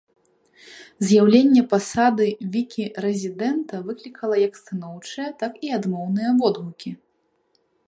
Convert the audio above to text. З'яўленне пасады вікі-рэзідэнта выклікала як станоўчыя, так і адмоўныя водгукі.